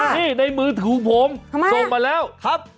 นี่ในมือถือผมส่งมาแล้วครับ